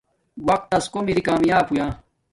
وقت تس کوم ار کامیاب ہویا